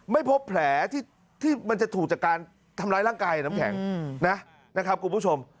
ไม่พบแผลที่มันจะถูกจากการทำร้ายร่างกายน้ำแข็งนะครับคุณผู้ชม